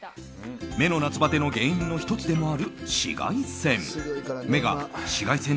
目の夏バテの原因の１つでもある紫外線。